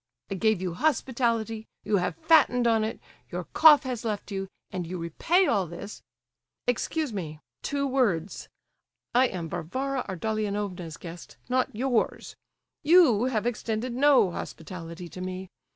I gave you hospitality, you have fattened on it, your cough has left you, and you repay all this—" "Excuse me—two words! I am Varvara Ardalionovna's guest, not yours; you have extended no hospitality to me.